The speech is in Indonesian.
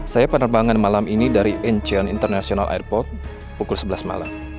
saya penerbangan malam ini dari encient international airport pukul sebelas malam